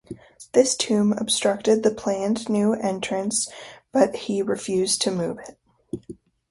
This tomb obstructed the planned new entrance but he refused to move it.